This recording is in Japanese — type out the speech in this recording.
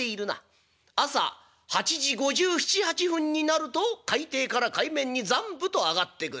朝８時５７５８分になると海底から海面にザンブと上がってくる。